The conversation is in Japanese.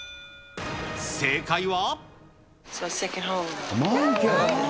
正解は。